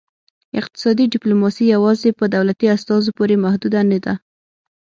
اقتصادي ډیپلوماسي یوازې په دولتي استازو پورې محدوده نه ده